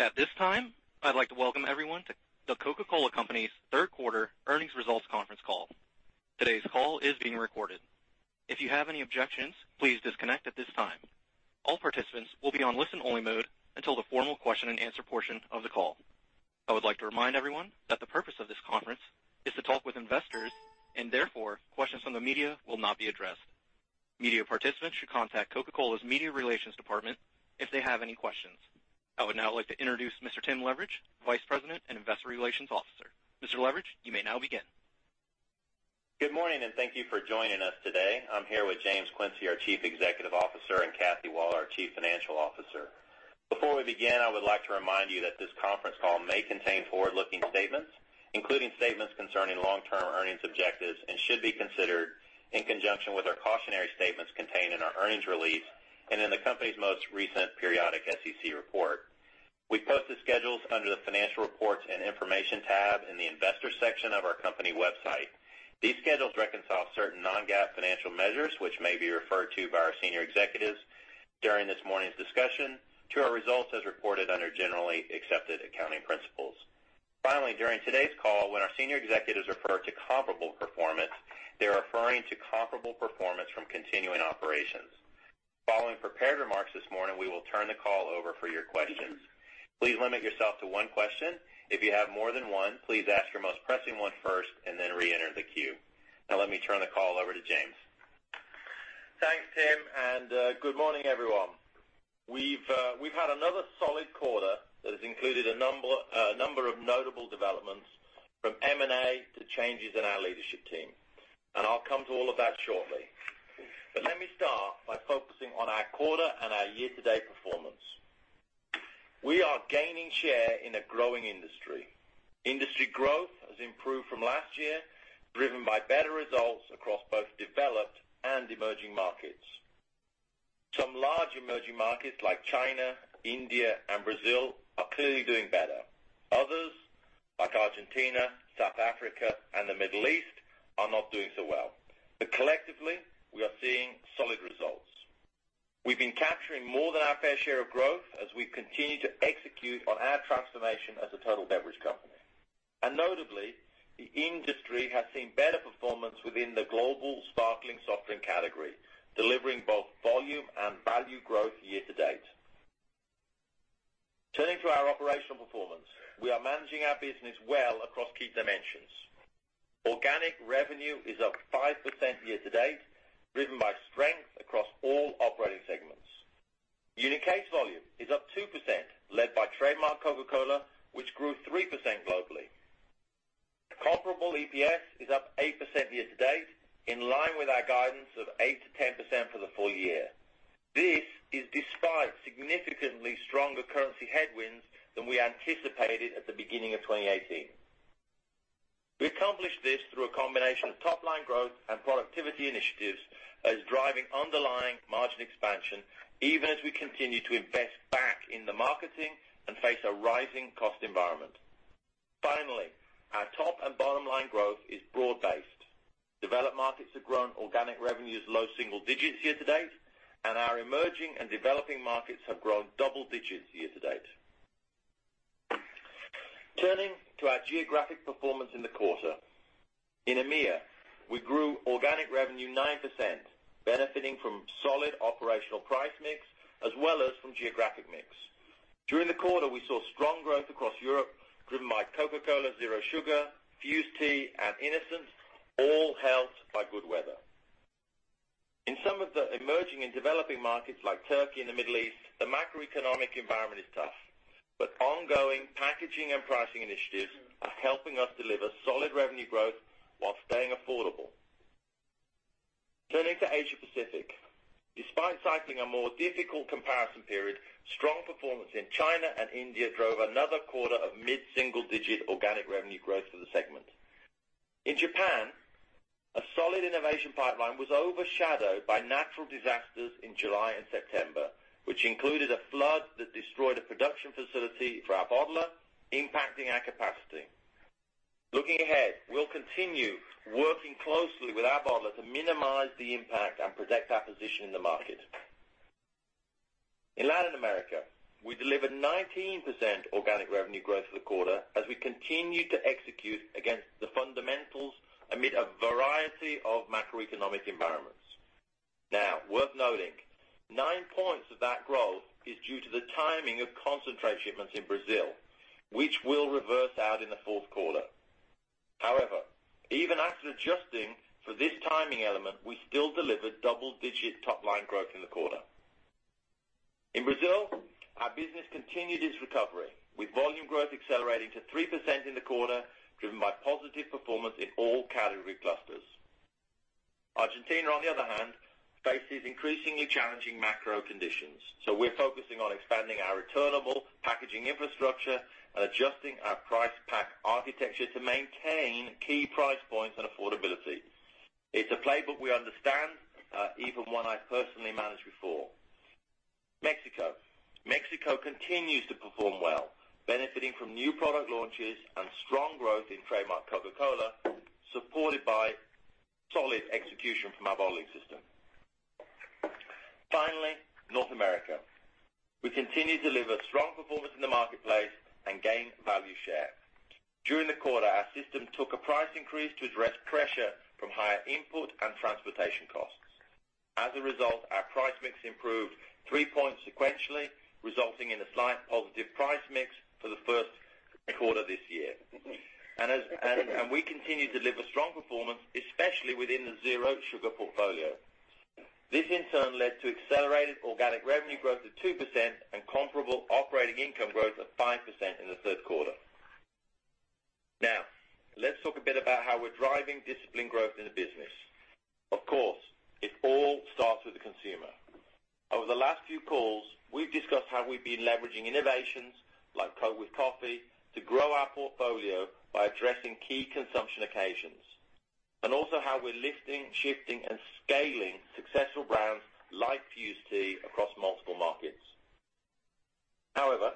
At this time, I'd like to welcome everyone to The Coca-Cola Company's third quarter earnings results conference call. Today's call is being recorded. If you have any objections, please disconnect at this time. All participants will be on listen-only mode until the formal question and answer portion of the call. I would like to remind everyone that the purpose of this conference is to talk with investors and therefore, questions from the media will not be addressed. Media participants should contact Coca-Cola's media relations department if they have any questions. I would now like to introduce Mr. Tim Leveridge, Vice President and Investor Relations Officer. Mr. Leveridge, you may now begin. Good morning. Thank you for joining us today. I'm here with James Quincey, our Chief Executive Officer, and Kathy Waller, our Chief Financial Officer. Before we begin, I would like to remind you that this conference call may contain forward-looking statements, including statements concerning long-term earnings objectives, and should be considered in conjunction with our cautionary statements contained in our earnings release and in the company's most recent periodic SEC report. We post the schedules under the Financial Reports and Information tab in the Investors section of our company website. These schedules reconcile certain non-GAAP financial measures, which may be referred to by our senior executives during this morning's discussion to our results as reported under generally accepted accounting principles. Finally, during today's call, when our senior executives refer to comparable performance, they're referring to comparable performance from continuing operations. Following prepared remarks this morning, we will turn the call over for your questions. Please limit yourself to one question. If you have more than one, please ask your most pressing one first and then reenter the queue. Now, let me turn the call over to James. Thanks, Tim. Good morning, everyone. We've had another solid quarter that has included a number of notable developments from M&A to changes in our leadership team, and I'll come to all of that shortly. Let me start by focusing on our quarter and our year-to-date performance. We are gaining share in a growing industry. Industry growth has improved from last year, driven by better results across both developed and emerging markets. Some large emerging markets like China, India, and Brazil are clearly doing better. Others, like Argentina, South Africa, and the Middle East, are not doing so well. Collectively, we are seeing solid results. We've been capturing more than our fair share of growth as we continue to execute on our transformation as a total beverage company. Notably, the industry has seen better performance within the global sparkling soft drink category, delivering both volume and value growth year to date. Turning to our operational performance. We are managing our business well across key dimensions. Organic revenue is up 5% year to date, driven by strength across all operating segments. Unit case volume is up 2%, led by trademark Coca-Cola, which grew 3% globally. Comparable EPS is up 8% year to date, in line with our guidance of 8%-10% for the full year. This is despite significantly stronger currency headwinds than we anticipated at the beginning of 2018. We accomplished this through a combination of top-line growth and productivity initiatives as driving underlying margin expansion, even as we continue to invest back in the marketing and face a rising cost environment. Finally, our top and bottom line growth is broad-based. Developed markets have grown organic revenues low single digits year to date. Our emerging and developing markets have grown double digits year to date. Turning to our geographic performance in the quarter. In EMEA, we grew organic revenue 9%, benefiting from solid operational price mix as well as from geographic mix. During the quarter, we saw strong growth across Europe, driven by Coca-Cola Zero Sugar, Fuze Tea, and innocent, all helped by good weather. In some of the emerging and developing markets like Turkey and the Middle East, the macroeconomic environment is tough, but ongoing packaging and pricing initiatives are helping us deliver solid revenue growth while staying affordable. Turning to Asia Pacific. Despite cycling a more difficult comparison period, strong performance in China and India drove another quarter of mid-single digit organic revenue growth for the segment. In Japan, a solid innovation pipeline was overshadowed by natural disasters in July and September, which included a flood that destroyed a production facility for our bottler, impacting our capacity. Looking ahead, we'll continue working closely with our bottler to minimize the impact and protect our position in the market. In Latin America, we delivered 19% organic revenue growth for the quarter as we continued to execute against the fundamentals amid a variety of macroeconomic environments. Worth noting, nine points of that growth is due to the timing of concentrate shipments in Brazil, which will reverse out in the fourth quarter. However, even after adjusting for this timing element, we still delivered double-digit top-line growth in the quarter. In Brazil, our business continued its recovery, with volume growth accelerating to 3% in the quarter, driven by positive performance in all category clusters. Argentina, on the other hand, faces increasingly challenging macro conditions. We're focusing on expanding our returnable packaging infrastructure and adjusting our price pack architecture to maintain key price points and affordability. It's a playbook we understand, even one I personally managed before. Mexico. Mexico continues to perform well, benefiting from new product launches and strong growth in trademark Coca-Cola, supported by solid execution from our bottling system. Finally, North America. We continue to deliver strong performance in the marketplace and gain value share. During the quarter, our system took a price increase to address pressure from higher input and transportation costs. As a result, our price mix improved three points sequentially, resulting in a slight positive price mix for the first quarter this year. We continue to deliver strong performance, especially within the zero sugar portfolio. This, in turn, led to accelerated organic revenue growth of 2% and comparable operating income growth of 5% in the third quarter. Let's talk a bit about how we're driving disciplined growth in the business. Of course, it all starts with the consumer. Over the last few calls, we've discussed how we've been leveraging innovations, like Coke with Coffee, to grow our portfolio by addressing key consumption occasions, and also how we're lifting, shifting, and scaling successful brands like Fuze Tea across multiple markets. However,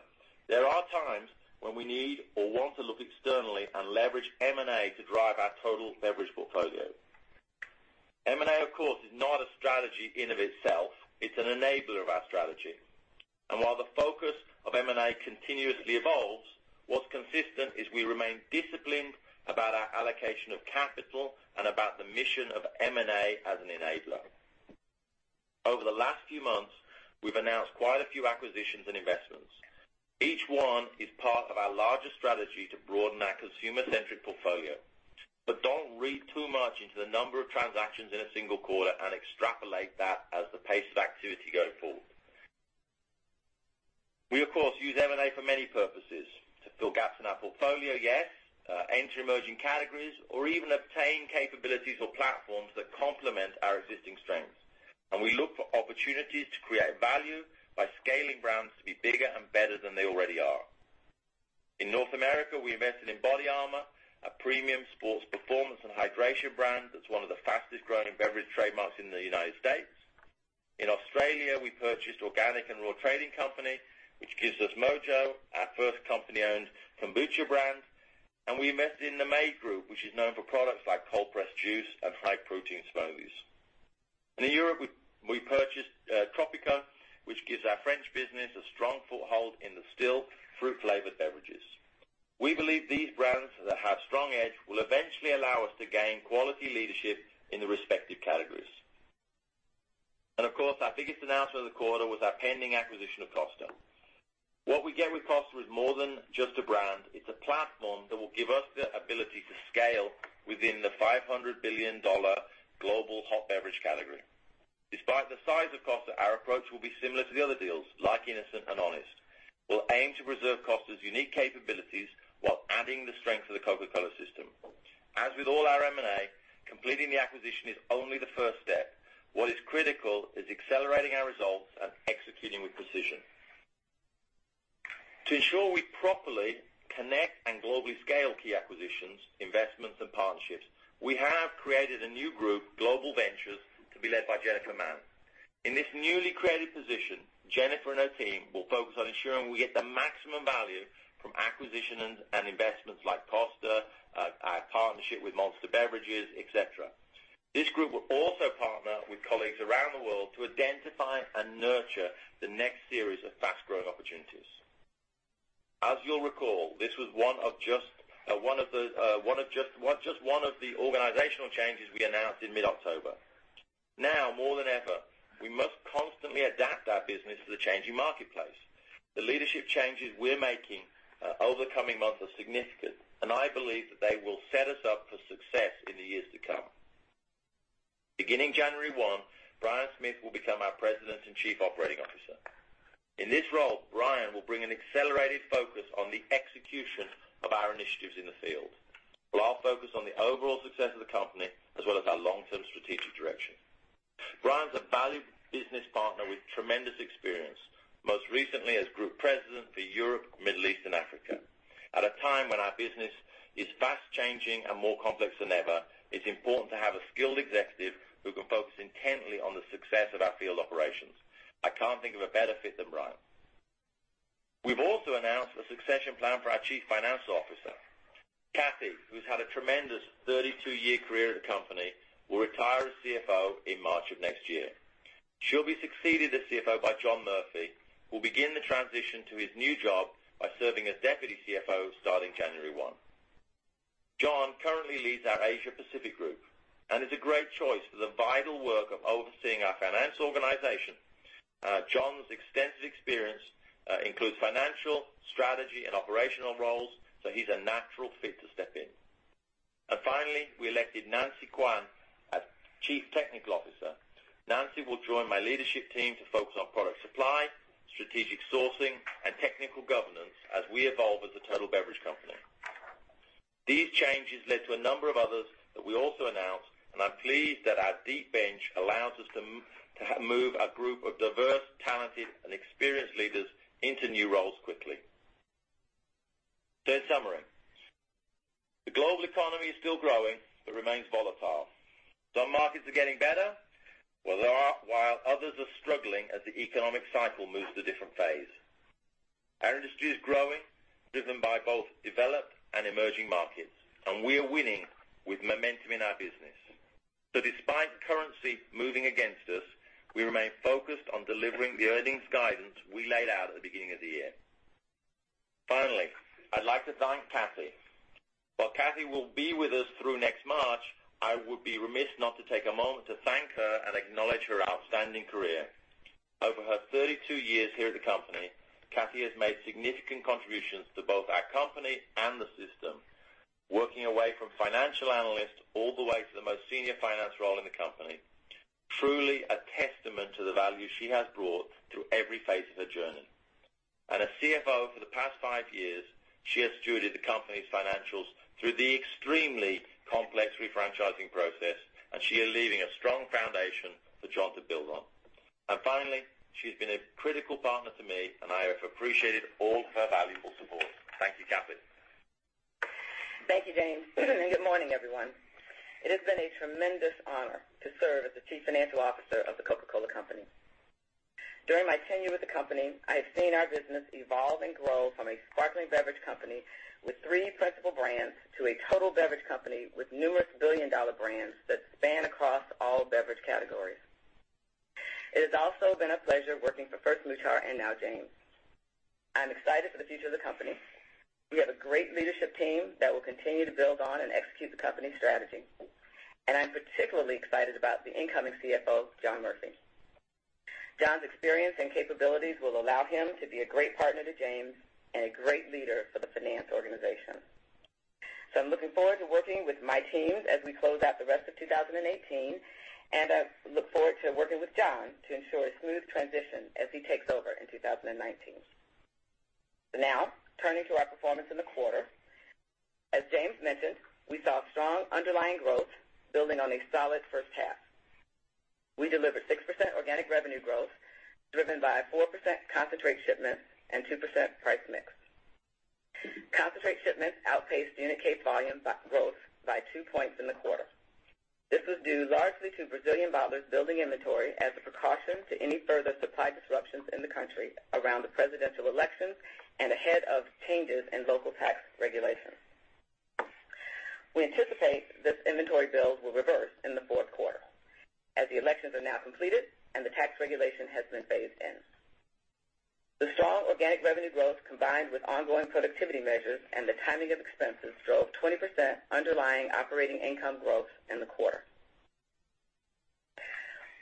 there are times when we need or want to look externally and leverage M&A to drive our total beverage portfolio. M&A, of course, is not a strategy in of itself. It's an enabler of our strategy. While the focus of M&A continuously evolves, what's consistent is we remain disciplined about our allocation of capital and about the mission of M&A as an enabler. Over the last few months, we've announced quite a few acquisitions and investments. Each one is part of our larger strategy to broaden our consumer-centric portfolio. Don't read too much into the number of transactions in a single quarter and extrapolate that as the pace of activity going forward. We, of course, use M&A for many purposes. To fill gaps in our portfolio, yes, enter emerging categories, or even obtain capabilities or platforms that complement our existing strengths. We look for opportunities to create value by scaling brands to be bigger and better than they already are. In North America, we invested in BODYARMOR, a premium sports performance and hydration brand that's one of the fastest-growing beverage trademarks in the U.S. In Australia, we purchased Organic & Raw Trading Company, which gives us MOJO, our first company-owned kombucha brand. We invested in the Made Group, which is known for products like cold press juice and high protein smoothies. In Europe, we purchased Tropico, which gives our French business a strong foothold in the still fruit-flavored beverages. We believe these brands that have strong edge will eventually allow us to gain quality leadership in the respective categories. Of course, our biggest announcement of the quarter was our pending acquisition of Costa. What we get with Costa is more than just a brand. It's a platform that will give us the ability to scale within the $500 billion global hot beverage category. Despite the size of Costa, our approach will be similar to the other deals, like innocent and Honest. We'll aim to preserve Costa's unique capabilities while adding the strength of The Coca-Cola system. As with all our M&A, completing the acquisition is only the first step. What is critical is accelerating our results and executing with precision. To ensure we properly connect and globally scale key acquisitions, investments, and partnerships, we have created a new group, Global Ventures, to be led by Jennifer Mann. In this newly created position, Jennifer and her team will focus on ensuring we get the maximum value from acquisitions and investments like Costa, our partnership with Monster Beverages, et cetera. This group will also partner with colleagues around the world to identify and nurture the next series of fast-growing opportunities. As you'll recall, this was just one of the organizational changes we announced in mid-October. More than ever, we must constantly adapt our business to the changing marketplace. The leadership changes we're making over the coming months are significant, and I believe that they will set us up for success in the years to come. Beginning January 1, Brian Smith will become our President and Chief Operating Officer. In this role, Brian will bring an accelerated focus on the execution of our initiatives in the field, while I'll focus on the overall success of the company as well as our long-term strategic direction. Brian's a valued business partner with tremendous experience, most recently as Group President for Europe, Middle East, and Africa. At a time when our business is fast changing and more complex than ever, it's important to have a skilled executive who can focus intently on the success of our field operations. I can't think of a better fit than Brian. We've also announced a succession plan for our Chief Financial Officer. Kathy, who's had a tremendous 32-year career at the company, will retire as CFO in March of next year. She'll be succeeded as CFO by John Murphy, who will begin the transition to his new job by serving as Deputy CFO starting January 1. John currently leads our Asia Pacific group and is a great choice for the vital work of overseeing our finance organization. John's extensive experience includes financial, strategy, and operational roles, so he's a natural fit to step in. Finally, we elected Nancy Quan as Chief Technical Officer. Nancy will join my leadership team to focus on product supply, strategic sourcing, and technical governance as we evolve as a total beverage company. These changes led to a number of others that we also announced, I'm pleased that our deep bench allows us to move a group of diverse, talented, and experienced leaders into new roles quickly. In summary, the global economy is still growing but remains volatile. Some markets are getting better, while others are struggling as the economic cycle moves to a different phase. Our industry is growing, driven by both developed and emerging markets, we are winning with momentum in our business. Despite currency moving against us, we remain focused on delivering the earnings guidance we laid out at the beginning of the year. Finally, I'd like to thank Kathy. While Kathy will be with us through next March, I would be remiss not to take a moment to thank her and acknowledge her outstanding career. Over her 32 years here at the company, Kathy has made significant contributions to both our company and the system, working our way from financial analyst all the way to the most senior finance role in the company. Truly a testament to the value she has brought through every phase of her journey. As CFO for the past five years, she has stewarded the company's financials through the extremely complex refranchising process, she is leaving a strong foundation for John to build on. Finally, she's been a critical partner to me, I have appreciated all of her valuable support. Thank you, Kathy. Thank you, James. Good morning, everyone. It has been a tremendous honor to serve as the Chief Financial Officer of The Coca-Cola Company. During my tenure with the company, I have seen our business evolve and grow from a sparkling beverage company with three principal brands to a total beverage company with numerous billion-dollar brands that span across all beverage categories. It has also been a pleasure working for first Muhtar and now James. I'm excited for the future of the company. We have a great leadership team that will continue to build on and execute the company strategy, and I'm particularly excited about the incoming CFO, John Murphy. John's experience and capabilities will allow him to be a great partner to James and a great leader for the finance organization. I'm looking forward to working with my teams as we close out the rest of 2018, and I look forward to working with John to ensure a smooth transition as he takes over in 2019. Turning to our performance in the quarter. As James mentioned, we saw strong underlying growth building on a solid first half. We delivered 6% organic revenue growth, driven by 4% concentrate shipments and 2% price mix. Concentrate shipments outpaced unit case volume growth by two points in the quarter. This was due largely to Brazilian bottlers building inventory as a precaution to any further supply disruptions in the country around the presidential elections and ahead of changes in local tax regulations. We anticipate this inventory build will reverse in the fourth quarter as the elections are now completed and the tax regulation has been phased in. The strong organic revenue growth, combined with ongoing productivity measures and the timing of expenses, drove 20% underlying operating income growth in the quarter.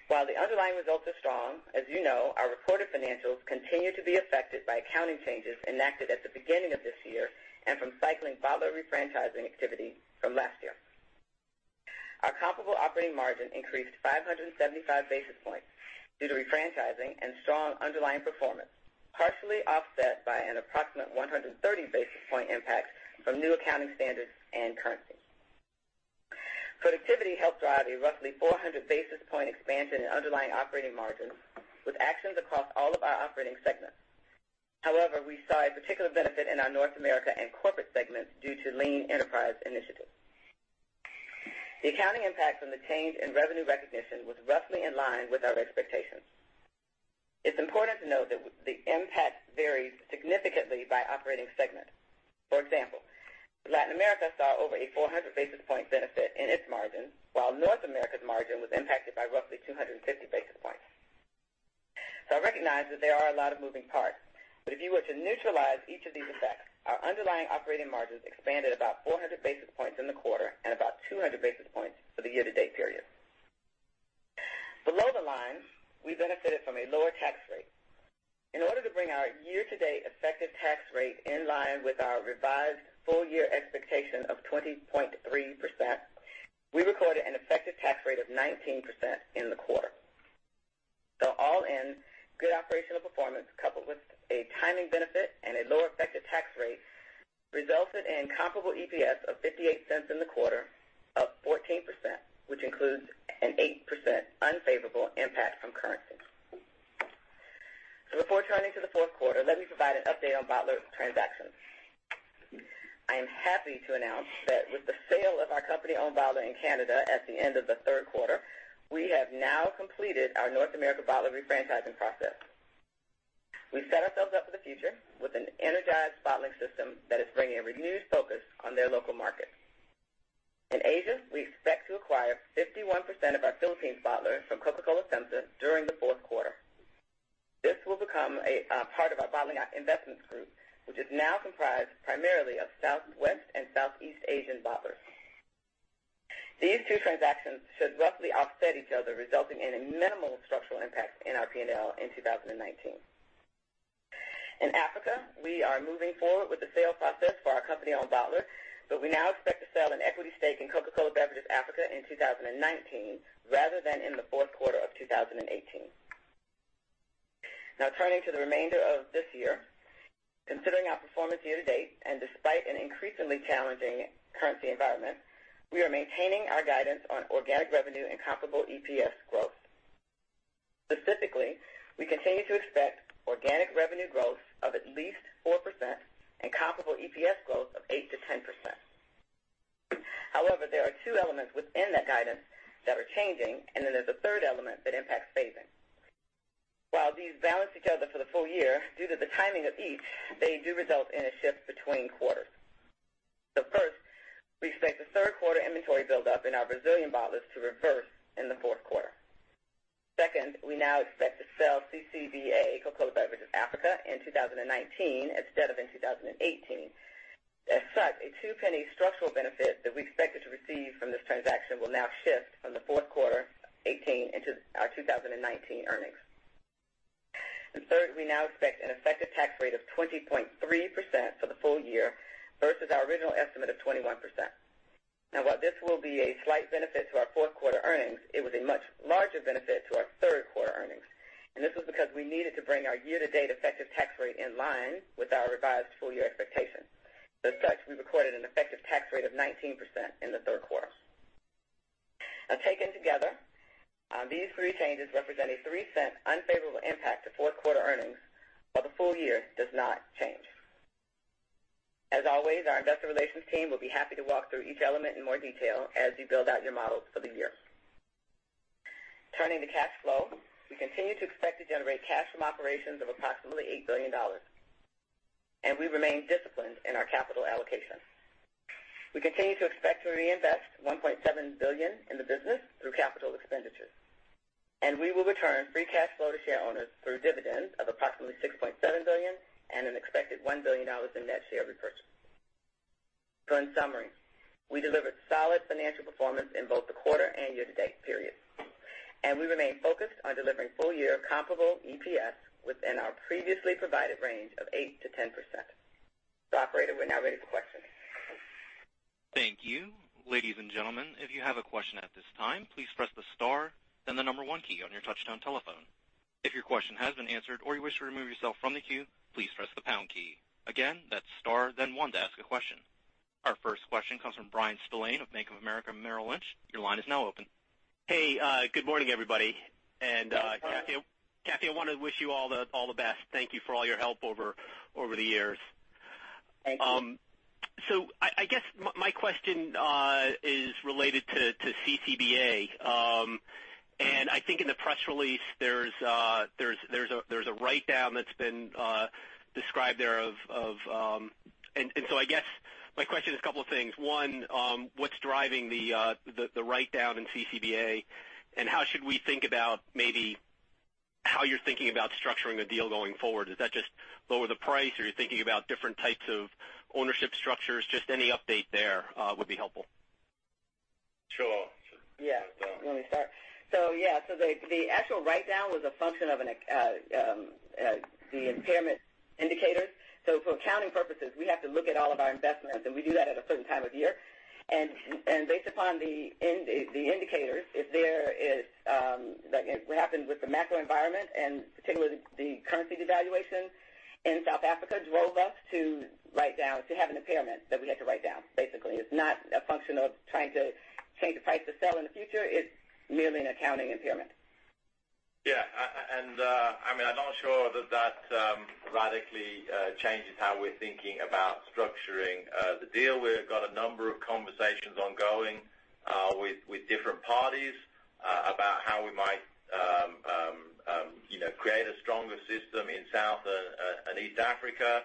While the underlying results are strong, as you know, our reported financials continue to be affected by accounting changes enacted at the beginning of this year and from cycling bottler refranchising activity from last year. Our comparable operating margin increased 575 basis points due to refranchising and strong underlying performance, partially offset by an approximate 130 basis point impact from new accounting standards and currency. Productivity helped drive a roughly 400 basis point expansion in underlying operating margins with actions across all of our operating segments. However, we saw a particular benefit in our North America and corporate segments due to lean enterprise initiatives. The accounting impact from the change in revenue recognition was roughly in line with our expectations. It's important to note that the impact varied significantly by operating segment. For example, Latin America saw over a 400 basis point benefit in its margin, while North America's margin was impacted by roughly 250 basis points. I recognize that there are a lot of moving parts, but if you were to neutralize each of these effects, our underlying operating margins expanded about 400 basis points in the quarter and about 200 basis points for the year-to-date period. Below the line, we benefited from a lower tax rate. In order to bring our year-to-date effective tax rate in line with our revised full-year expectation of 20.3%, we recorded an effective tax rate of 19% in the quarter. All in, good operational performance coupled with a timing benefit and a lower effective tax rate resulted in comparable EPS of $0.58 in the quarter, up 14%, which includes an 8% unfavorable impact from currency. Before turning to the fourth quarter, let me provide an update on bottler transactions. I am happy to announce that with the sale of our company-owned bottler in Canada at the end of the third quarter, we have now completed our North America bottler refranchising process. We've set ourselves up for the future with an energized bottling system that is bringing a renewed focus on their local markets. In Asia, we expect to acquire 51% of our Philippines bottler from Coca-Cola FEMSA during the fourth quarter. This will become a part of our Bottling Investments Group, which is now comprised primarily of South, West, and Southeast Asian bottlers. These two transactions should roughly offset each other, resulting in a minimal structural impact in our P&L in 2019. In Africa, we are moving forward with the sale process for our company-owned bottler, but we now expect to sell an equity stake in Coca-Cola Beverages Africa in 2019 rather than in the fourth quarter of 2018. Turning to the remainder of this year. Considering our performance year to date, and despite an increasingly challenging currency environment, we are maintaining our guidance on organic revenue and comparable EPS growth. Specifically, we continue to expect organic revenue growth of at least 4% and comparable EPS growth of 8%-10%. There are two elements within that guidance that are changing, and there's a third element that impacts phasing. While these balance each other for the full year, due to the timing of each, they do result in a shift between quarters. First, we expect the third quarter inventory build-up in our Brazilian bottlers to reverse in the fourth quarter. Second, we now expect to sell CCBA, Coca-Cola Beverages Africa, in 2019 instead of in 2018. As such, a $0.02 structural benefit that we expected to receive from this transaction will now shift from the fourth quarter 2018 into our 2019 earnings. Third, we now expect an effective tax rate of 20.3% for the full year versus our original estimate of 21%. While this will be a slight benefit to our fourth quarter earnings, it was a much larger benefit to our third quarter earnings. This was because we needed to bring our year-to-date effective tax rate in line with our revised full-year expectations. As such, we recorded an effective tax rate of 19% in the third quarter. Taken together, these three changes represent a $0.03 unfavorable impact to fourth quarter earnings, while the full year does not change. As always, our investor relations team will be happy to walk through each element in more detail as you build out your models for the year. Turning to cash flow, we continue to expect to generate cash from operations of approximately $8 billion. We remain disciplined in our capital allocation. We continue to expect to reinvest $1.7 billion in the business through capital expenditures. We will return free cash flow to share owners through dividends of approximately $6.7 billion and an expected $1 billion in net share repurchase. In summary, we delivered solid financial performance in both the quarter and year-to-date period. We remain focused on delivering full-year comparable EPS within our previously provided range of 8%-10%. Operator, we're now ready for questions. Thank you. Ladies and gentlemen, if you have a question at this time, please press the star, then the number 1 key on your touch-tone telephone. If your question has been answered or you wish to remove yourself from the queue, please press the pound key. Again, that's star, then 1 to ask a question. Our first question comes from Bryan Spillane of Bank of America Merrill Lynch. Your line is now open. Hey, good morning, everybody. Good morning. Kathy, I want to wish you all the best. Thank you for all your help over the years. Thank you. I guess my question is related to CCBA. I think in the press release, there's a write-down that's been described there. I guess my question is a couple of things. One, what's driving the write-down in CCBA, and how should we think about maybe how you're thinking about structuring the deal going forward? Does that just lower the price, or are you thinking about different types of ownership structures? Just any update there would be helpful. Sure. Sure. You want me to start? Yeah. The actual write-down was a function of the impairment indicators. For accounting purposes, we have to look at all of our investments, and we do that at a certain time of year. Based upon the indicators, what happened with the macro environment, and particularly the currency devaluation in South Africa, drove us to write down, to have an impairment that we had to write down. Basically, it's not a function of trying to change the price to sell in the future. It's merely an accounting impairment. Yeah. I'm not sure that radically changes how we're thinking about structuring the deal. We've got a number of conversations ongoing with different parties about how we might create a stronger system in South and East Africa.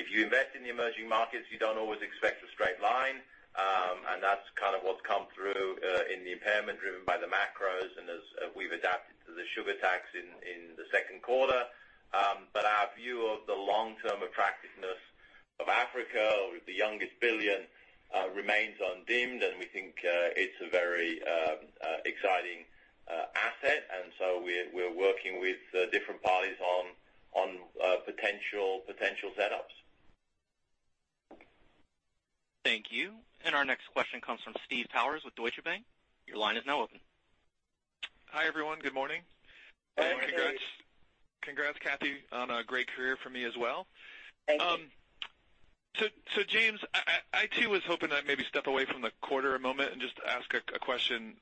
If you invest in the emerging markets, you don't always expect a straight line. That's kind of what's come through in the impairment driven by the macros and as we've adapted to the sugar tax in the second quarter. Our view of the long-term attractiveness of Africa with the youngest billion remains undimmed, and we think it's a very exciting asset. We're working with different parties on potential setups. Thank you. Our next question comes from Steve Powers with Deutsche Bank. Your line is now open. Hi, everyone. Good morning. Good morning. Congrats, Kathy, on a great career for me as well. Thank you. James, I too was hoping I'd maybe step away from the quarter a moment and just ask a question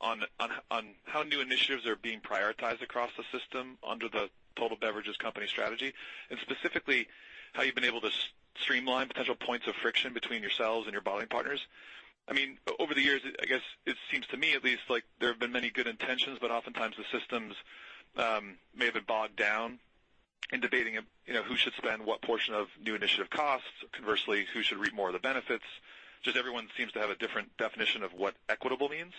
on how new initiatives are being prioritized across the system under the Total Beverages Company strategy. Specifically, how you've been able to streamline potential points of friction between yourselves and your bottling partners. Over the years, I guess it seems to me at least like there have been many good intentions, but oftentimes the systems may have been bogged down in debating who should spend what portion of new initiative costs. Conversely, who should reap more of the benefits. Everyone seems to have a different definition of what equitable means.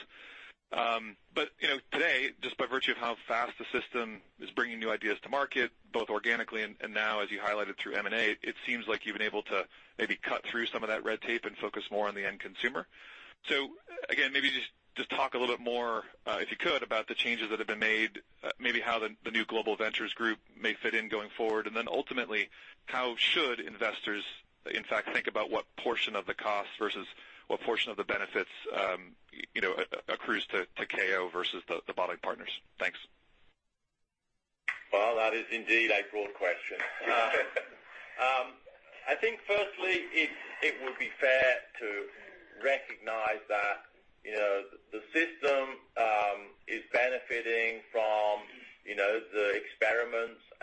Today, just by virtue of how fast the system is bringing new ideas to market, both organically and now as you highlighted through M&A, it seems like you've been able to maybe cut through some of that red tape and focus more on the end consumer. Again, maybe just talk a little bit more, if you could, about the changes that have been made, maybe how the new Global Ventures group may fit in going forward. Ultimately, how should investors, in fact, think about what portion of the cost versus what portion of the benefits accrues to KO versus the bottling partners? Thanks. Well, that is indeed a broad question. I think firstly, it would be fair to recognize that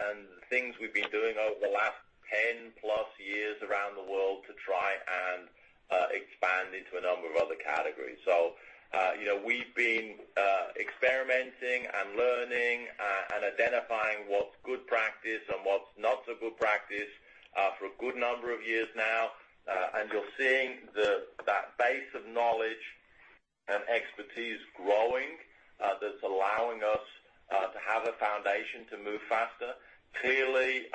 The things we've been doing over the last 10 plus years around the world to try and expand into a number of other categories. We've been experimenting and learning, and identifying what's good practice and what's not so good practice for a good number of years now. You're seeing that base of knowledge and expertise growing, that's allowing us to have a foundation to move faster. Clearly,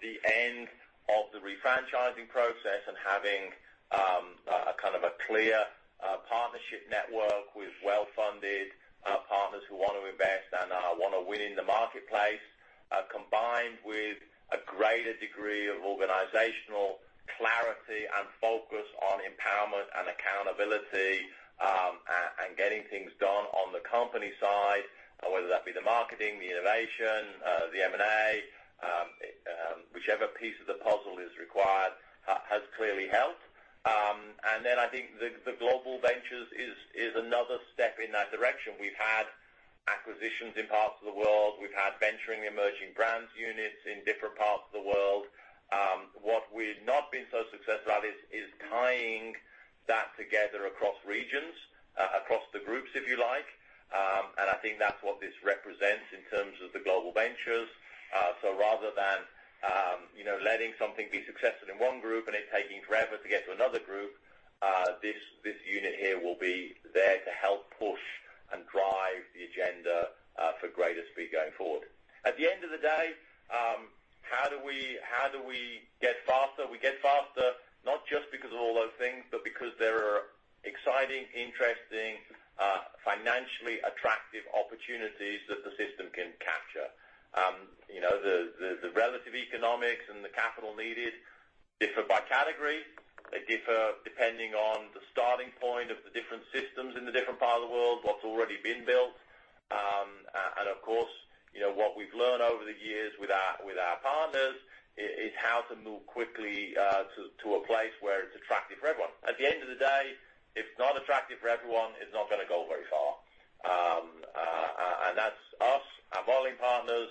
the end of the refranchising process and having a clear partnership network with well-funded partners who want to invest and want to win in the marketplace, combined with a greater degree of organizational clarity and focus on empowerment and accountability, and getting things done on the company side, whether that be the marketing, the innovation, the M&A, whichever piece of the puzzle is required, has clearly helped. I think the Global Ventures is another step in that direction. We've had acquisitions in parts of the world, we've had venturing emerging brands units in different parts of the world. What we've not been so successful at is tying that together across regions, across the groups, if you like. I think that's what this represents in terms of the Global Ventures. Rather than letting something be successful in one group and it taking forever to get to another group, this unit here will be there to help push and drive the agenda for greater speed going forward. At the end of the day, how do we get faster? We get faster, not just because of all those things, but because there are exciting, interesting, financially attractive opportunities that the system can capture. The relative economics and the capital needed differ by category. They differ depending on the starting point of the different systems in the different parts of the world, what's already been built. Of course, what we've learned over the years with our partners is how to move quickly to a place where it's attractive for everyone. At the end of the day, if it's not attractive for everyone, it's not going to go very far. That's us, our bottling partners,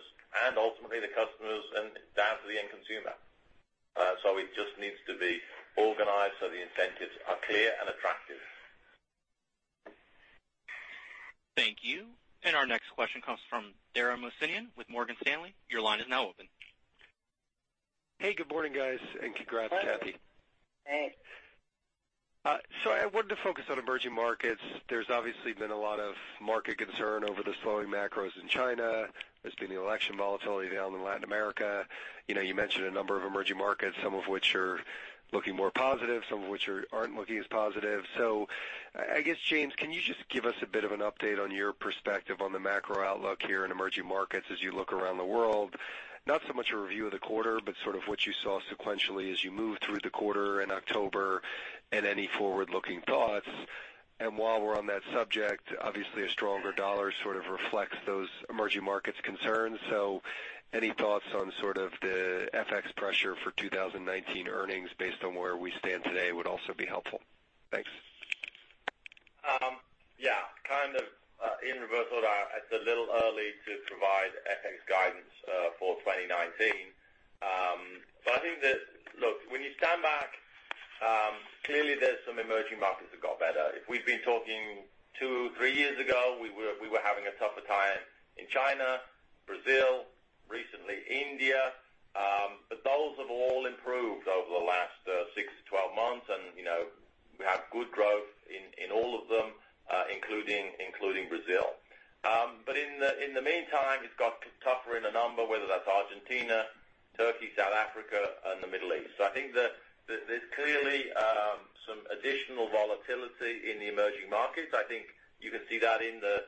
and ultimately the customers, and down to the end consumer. It just needs to be organized so the incentives are clear and attractive. Thank you. Our next question comes from Dara Mohsenian with Morgan Stanley. Your line is now open. Hey, good morning, guys. Congrats, Kathy Waller. Thanks. I wanted to focus on emerging markets. There's obviously been a lot of market concern over the slowing macros in China. There's been the election volatility down in Latin America. You mentioned a number of emerging markets, some of which are looking more positive, some of which aren't looking as positive. I guess, James Quincey, can you just give us a bit of an update on your perspective on the macro outlook here in emerging markets as you look around the world? Not so much a review of the quarter, but sort of what you saw sequentially as you moved through the quarter in October and any forward-looking thoughts. While we're on that subject, obviously, a stronger US dollar sort of reflects those emerging markets concerns. Any thoughts on sort of the FX pressure for 2019 earnings based on where we stand today would also be helpful. Thanks. Kind of in reversal, it's a little early to provide FX guidance for 2019. I think that, look, when you stand back, clearly there's some emerging markets that got better. If we'd been talking two, three years ago, we were having a tougher time in China, Brazil, recently India. Those have all improved over the last six to 12 months, and we have good growth in all of them, including Brazil. In the meantime, it's got tougher in a number, whether that's Argentina, Turkey, South Africa, and the Middle East. I think there's clearly some additional volatility in the emerging markets. I think you can see that in the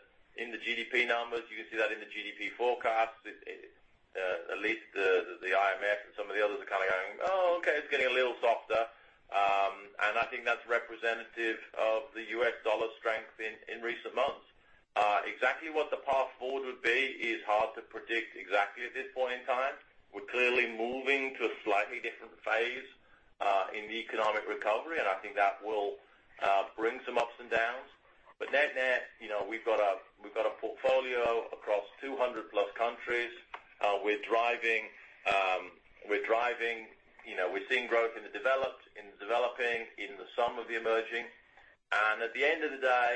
GDP numbers. You can see that in the GDP forecasts. At least the IMF and some of the others are kind of going, "Oh, okay, it's getting a little softer." I think that's representative of the US dollar strength in recent months. Exactly what the path forward would be is hard to predict exactly at this point in time. We're clearly moving to a slightly different phase in the economic recovery, and I think that will bring some ups and downs. Net, we've got a portfolio across 200 plus countries. We're seeing growth in the developed, in the developing, in some of the emerging. At the end of the day,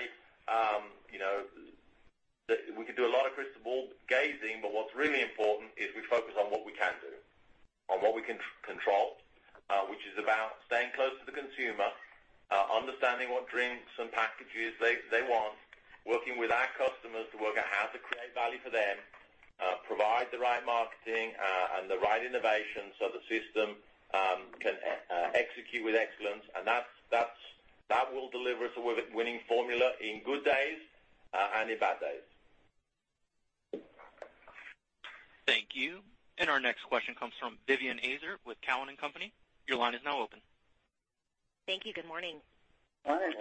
we could do a lot of crystal ball gazing, but what's really important is we focus on what we can do, on what we can control, which is about staying close to the consumer, understanding what drinks and packages they want, working with our customers to work out how to create value for them, provide the right marketing, and the right innovation so the system can execute with excellence, and that will deliver us a winning formula in good days and in bad days. Thank you. Our next question comes from Vivien Azer with Cowen and Company. Your line is now open. Thank you. Good morning. Morning.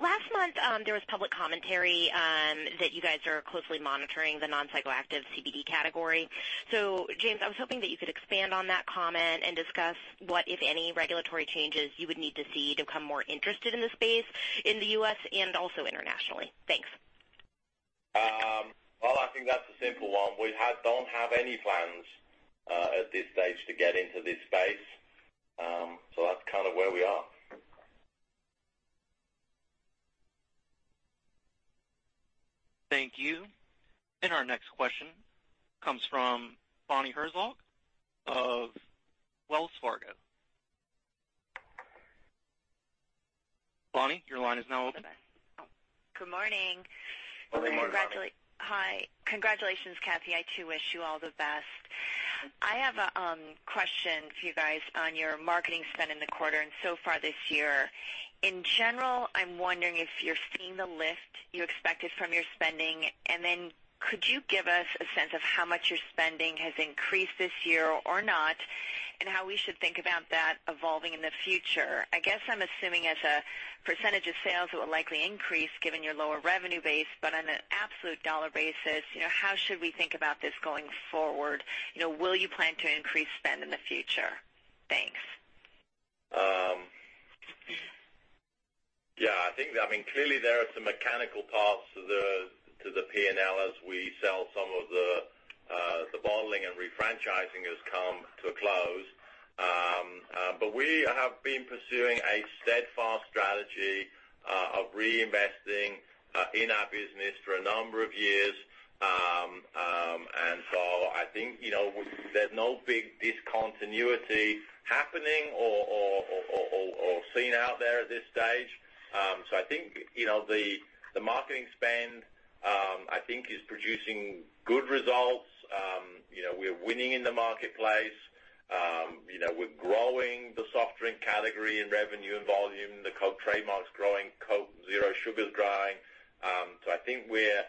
Last month, there was public commentary that you guys are closely monitoring the non-psychoactive CBD category. James, I was hoping that you could expand on that comment and discuss what, if any, regulatory changes you would need to see to become more interested in the space in the U.S. and also internationally. Thanks. Well, I think that's a simple one. We don't have any plans at this stage to get into this space. That's kind of where we are. Thank you. Our next question comes from Bonnie Herzog of Wells Fargo. Bonnie, your line is now open. Good morning. Good morning, Bonnie. Hi. Congratulations, Kathy. I, too, wish you all the best. I have a question for you guys on your marketing spend in the quarter and so far this year. In general, I'm wondering if you're seeing the lift you expected from your spending, and then could you give us a sense of how much your spending has increased this year or not, and how we should think about that evolving in the future? I guess I'm assuming as a percentage of sales, it will likely increase given your lower revenue base, but on an absolute dollar basis, how should we think about this going forward? Will you plan to increase spend in the future? Thanks. Yeah. Clearly, there are some mechanical parts to the P&L as we sell some of the bottling and refranchising has come to a close. We have been pursuing a steadfast strategy of reinvesting in our business for a number of years. I think, there's no big discontinuity happening or seen out there at this stage. I think, the marketing spend, I think is producing good results. We're winning in the marketplace. We're growing the soft drink category in revenue and volume. The Coke trademark's growing, Coke Zero Sugar is growing. I think we're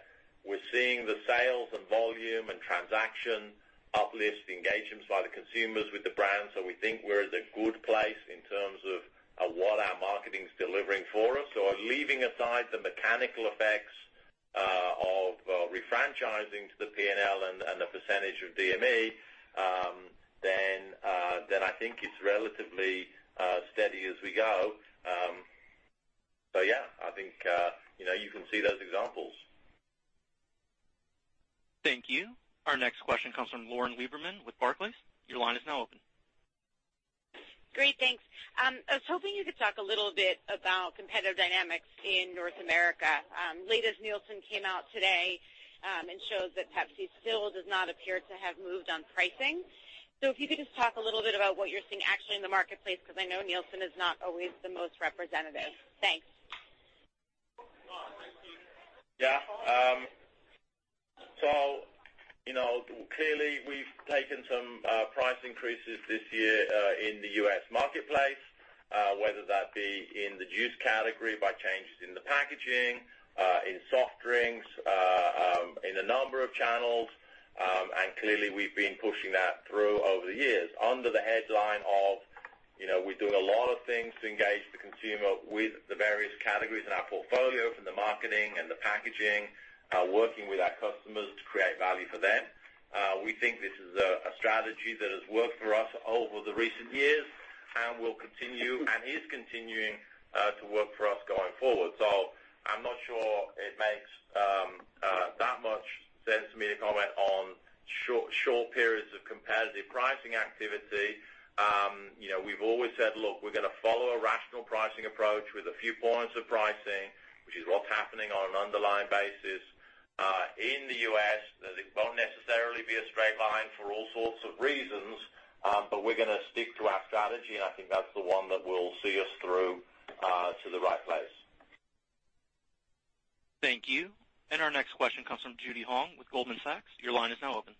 seeing the sales and volume and transaction uplift, engagements by the consumers with the brand. We think we're at a good place in terms of what our marketing is delivering for us. Leaving aside the mechanical effects of refranchising to the P&L and the percentage of DME, I think it's relatively steady as we go. Yeah, I think you can see those examples. Thank you. Our next question comes from Lauren Lieberman with Barclays. Your line is now open. Great. Thanks. I was hoping you could talk a little bit about competitive dynamics in North America. Latest Nielsen came out today and shows that Pepsi still does not appear to have moved on pricing. If you could just talk a little bit about what you're seeing actually in the marketplace, because I know Nielsen is not always the most representative. Thanks. Yeah. Clearly, we've taken some price increases this year in the U.S. marketplace, whether that be in the juice category by changes in the packaging, in soft drinks, in a number of channels. Clearly, we've been pushing that through over the years under the headline of we're doing a lot of things to engage the consumer with the various categories in our portfolio, from the marketing and the packaging, working with our customers to create value for them. We think this is a strategy that has worked for us over the recent years and will continue, and is continuing to work for us going forward. I'm not sure it makes that much sense for me to comment on short periods of competitive pricing activity. We've always said, look, we're going to follow a rational pricing approach with a few points of pricing, which is what's happening on an underlying basis in the U.S. It won't necessarily be a straight line for all sorts of reasons, we're going to stick to our strategy, and I think that's the one that will see us through to the right place. Thank you. Our next question comes from Judy Hong with Goldman Sachs. Your line is now open.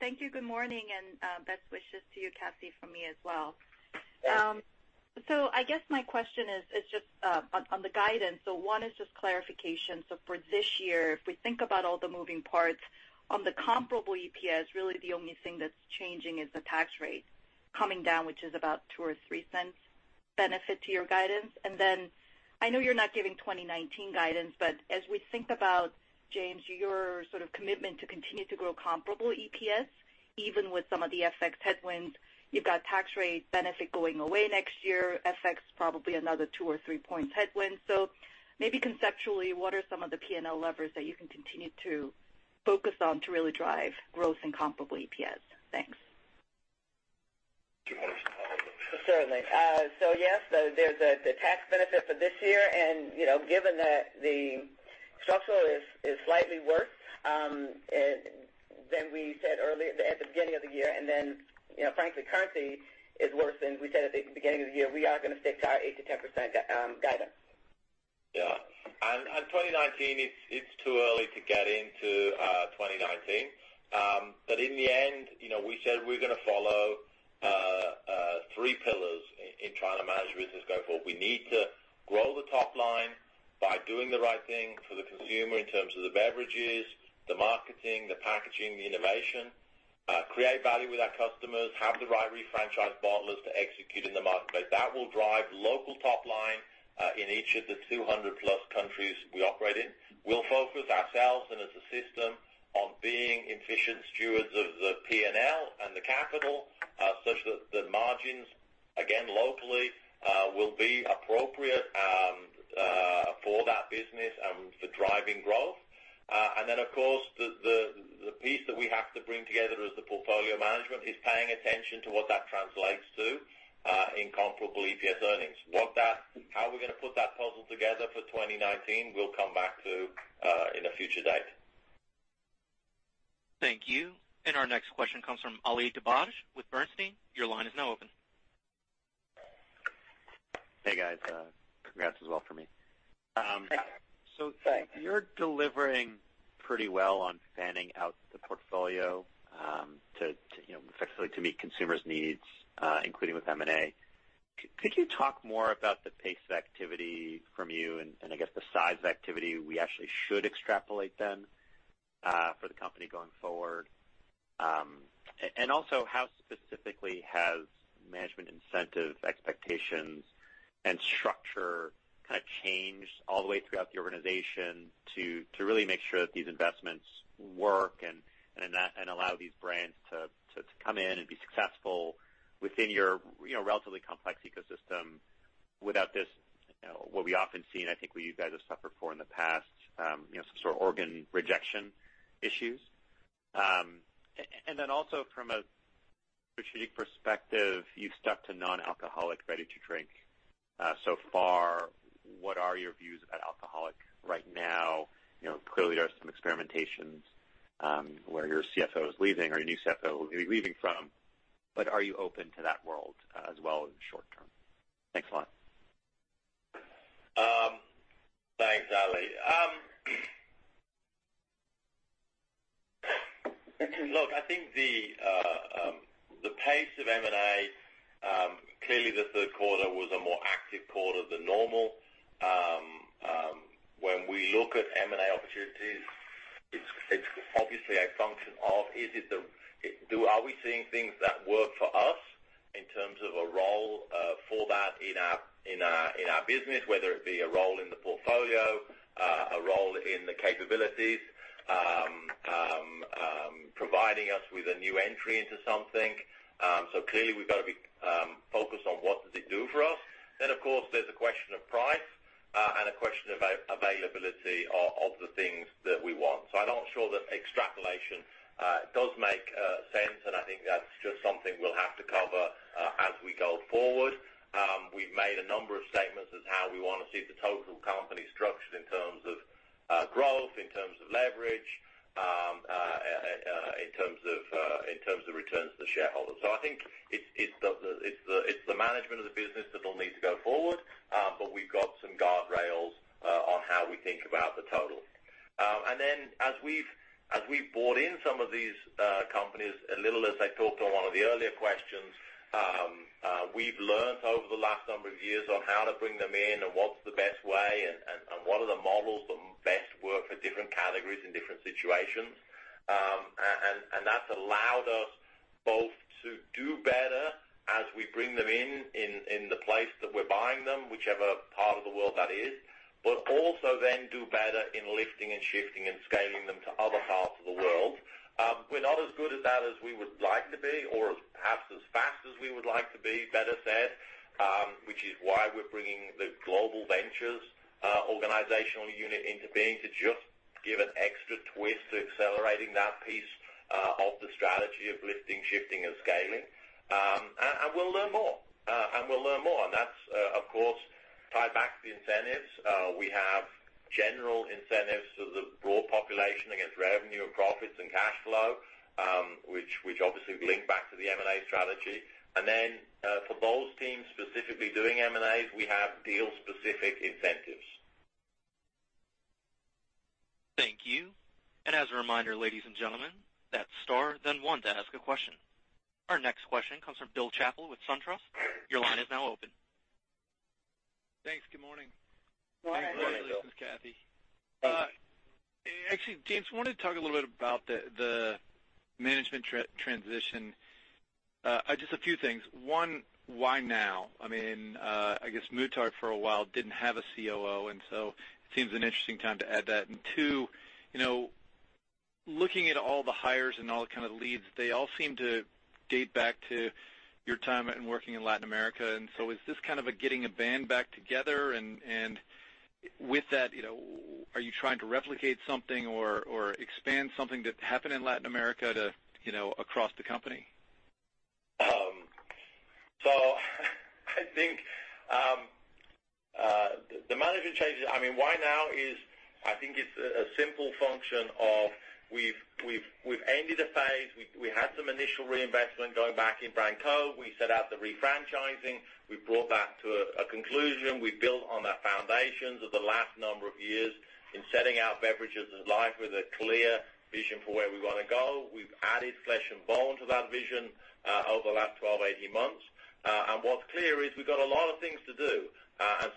Thank you. Good morning, and best wishes to you, Kathy, from me as well. Thank you. I guess my question is just on the guidance. One is just clarification. For this year, if we think about all the moving parts on the comparable EPS, really the only thing that's changing is the tax rate coming down, which is about $0.02 or $0.03 benefit to your guidance. I know you're not giving 2019 guidance, but as we think about, James, your sort of commitment to continue to grow comparable EPS, even with some of the FX headwinds, you've got tax rate benefit going away next year, FX probably another two or three points headwind. Maybe conceptually, what are some of the P&L levers that you can continue to focus on to really drive growth in comparable EPS? Thanks. Do you want to start with that? Certainly. Yes, there's the tax benefit for this year, and given that the structural is slightly worse than we said earlier at the beginning of the year, and frankly, currency is worse than we said at the beginning of the year, we are going to stick to our 8%-10% guidance. Yeah. 2019, it's too early to get into 2019. In the end, we said we're going to follow 3 pillars in trying to manage the business going forward. We need to grow the top line by doing the right thing for the consumer in terms of the beverages, the marketing, the packaging, the innovation. Create value with our customers, have the right refranchise bottlers to execute in the marketplace. That will drive local top line in each of the 200-plus countries we operate in. We'll focus ourselves and as a system on being efficient stewards of the P&L and the capital such that the margins, again, locally, will be appropriate for that business and for driving growth. Then, of course, the piece that we have to bring together as the portfolio management is paying attention to what that translates to in comparable EPS earnings. How we're going to put that puzzle together for 2019, we'll come back to in a future date. Thank you. Our next question comes from Ali Dibadj with Bernstein. Your line is now open. Hey, guys. Congrats as well from me. Thanks. You're delivering pretty well on fanning out the portfolio effectively to meet consumers' needs, including with M&A. Could you talk more about the pace of activity from you and, I guess, the size of activity we actually should extrapolate then for the company going forward? How specifically has management incentive expectations and structure changed all the way throughout the organization to really make sure that these investments work and allow these brands to come in and be successful within your relatively complex ecosystem without this, what we often see, and I think what you guys have suffered for in the past, some sort of organ rejection issues? From a strategic perspective, you've stuck to non-alcoholic ready-to-drink so far. What are your views about alcoholic right now? Clearly, there are some experimentations, where your CFO is leaving, or your new CFO will be leaving from, are you open to that world as well in the short term? Thanks a lot. Thanks, Ali. Look, I think the pace of M&A, clearly the third quarter was a more active quarter than normal. When we look at M&A opportunities, it's obviously a function of, are we seeing things that work for us in terms of a role for that in our business, whether it be a role in the portfolio, a role in the capabilities, providing us with a new entry into something. Clearly, we've got to be focused on what does it do for us. Of course, there's a question of price and a question of availability of the things that we want. I'm not sure that extrapolation does make sense, and I think that's just something we'll have to cover as we go forward. We've made a number of statements as how we want to see the total company structured in terms of growth, in terms of leverage, in terms of returns to shareholders. I think it's the management of the business that'll need to go forward, but we've got some guardrails on how we think about the total. Then as we've brought in some of these companies, a little as I talked on one of the earlier questions, we've learned over the last number of years on how to bring them in and what's the best way and what are the models that best work for different categories in different situations. That's allowed us both to do better as we bring them in the place that we're buying them, whichever part of the world that is, but also then do better in lifting and shifting and scaling them to other parts of the world. We're not as good at that as we would like to be, or perhaps as fast as we would like to be, better said, which is why we're bringing the Global Ventures organizational unit into being to just give an extra twist to accelerating that piece of the strategy of lifting, shifting, and scaling. We'll learn more. That's, of course, tie back the incentives. We have general incentives to the broad population against revenue and profits and cash flow, which obviously link back to the M&A strategy. Then, for those teams specifically doing M&As, we have deal-specific incentives. Thank you. As a reminder, ladies and gentlemen, that's star then one to ask a question. Our next question comes from Bill Chappell with SunTrust. Your line is now open. Thanks. Good morning. Good morning, Bill. Thanks, James and Kathy. Actually, James, wanted to talk a little bit about the management transition. Just a few things. One, why now? I guess Muhtar for a while didn't have a COO, it seems an interesting time to add that. Two, looking at all the hires and all the kind of leads, they all seem to date back to your time in working in Latin America. Is this kind of a getting a band back together? With that, are you trying to replicate something or expand something that happened in Latin America across the company? I think, the management changes. Why now is, I think it's a simple function of we've ended a phase. We had some initial reinvestment going back in Branco. We set out the refranchising. We brought that to a conclusion. We built on the foundations of the last number of years in setting out Beverages for Life with a clear vision for where we want to go. We've added flesh and bone to that vision over the last 12, 18 months. What's clear is we've got a lot of things to do.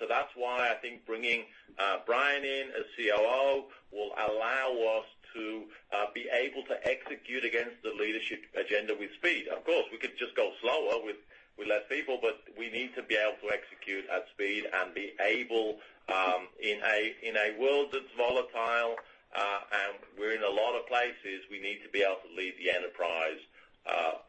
That's why I think bringing Brian in as COO will allow us to be able to execute against the leadership agenda with speed. Of course, we could just go slower with less people, but we need to be able to execute at speed and be able, in a world that's volatile lot of places, we need to be able to lead the enterprise